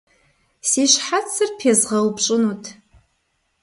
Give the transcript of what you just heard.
Си щхьэцыр пезгъэупщӏынут.